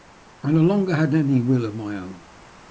I no longer had any will of my own.